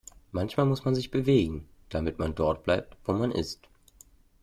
Manchmal muss man sich bewegen, damit man dort bleibt, wo man ist.